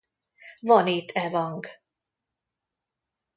Van itt evang.